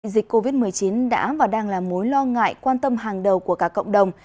dịch covid một mươi chín đã và đang là mối lo ngại quan tâm hàng đầu của cả cộng đồng